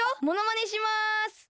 ものまねします。